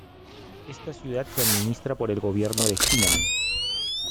Esta ciudad se administra por el gobierno de Jinan.